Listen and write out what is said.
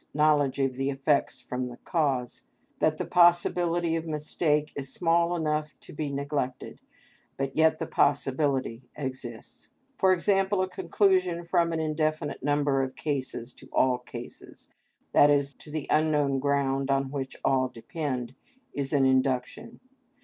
_, knowledge of the effects from the cause, that the possibility of mistake is small enough to be neglected, but yet the possibility exists; for example, a conclusion from an indefinite number of cases to all cases, i.e., to the unknown ground on which all depend, is an induction.